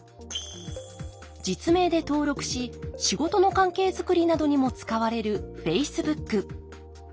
実名で登録し仕事の関係づくりなどにも使われるｆａｃｅｂｏｏｋ。